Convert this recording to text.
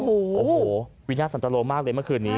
โอ้โหวินาทสันตโลมากเลยเมื่อคืนนี้